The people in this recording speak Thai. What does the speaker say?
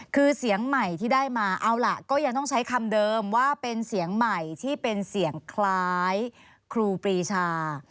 คือเสียงใหม่ที่ได้มาเอาล่ะก็ยังต้องใช้คำเดิมว่าเป็นเสียงใหม่ที่เป็นเสียงคล้ายครูปรีชา